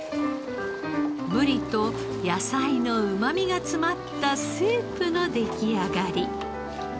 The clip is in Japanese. ブリと野菜のうま味が詰まったスープの出来上がり。